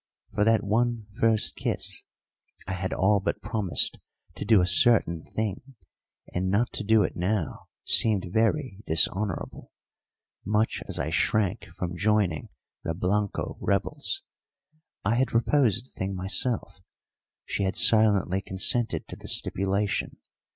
For that one first kiss I had all but promised to do a certain thing, and not to do it now seemed very dishonourable, much as I shrank from joining the Blanco rebels. I had proposed the thing myself; she had silently consented to the stipulation.